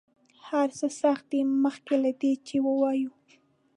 هر څه سخت دي مخکې له دې چې ووایو.